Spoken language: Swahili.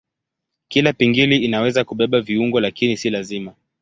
Kila pingili inaweza kubeba viungo lakini si lazima.